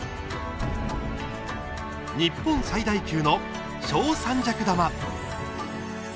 日本最大級の正三尺玉。